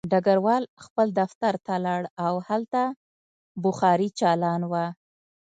ډګروال خپل دفتر ته لاړ او هلته بخاري چالان وه